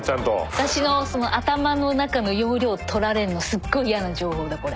私の頭の中の容量取られんのすっごい嫌な情報だこれ。